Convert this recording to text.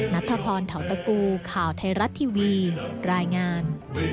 นัทธพรเทาตะกูข่าวไทยรัฐทีวีรายงาน